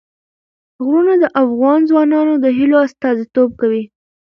غرونه د افغان ځوانانو د هیلو استازیتوب کوي.